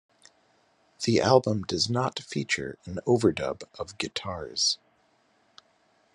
The album does not feature an overdub of guitars.